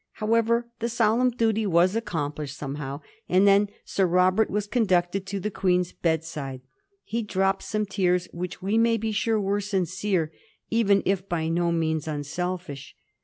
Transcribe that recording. However, the solemn duty was accomplished somehow, and then Sir Robert was conducted to the Queen's bedside. He dropped some tears, which we may be sure were sincere, even if by no means unselfish.